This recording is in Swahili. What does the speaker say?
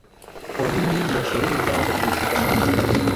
kwa ajili ya sherehe zao za kiutamaduni